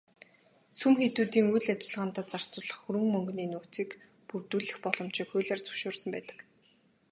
Сүм хийдүүдийн үйл ажиллагаандаа зарцуулах хөрөнгө мөнгөний нөөцийг бүрдүүлэх боломжийг хуулиар зөвшөөрсөн байдаг.